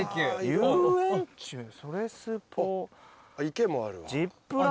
池もあるわ。